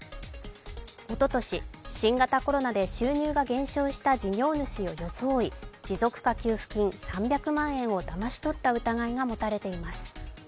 おととし、新型コロナで収入が減少した事業主を装い持続化給付金３００万円をだまし取った疑いが持たれています。